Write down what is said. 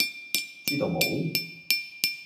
知道冇?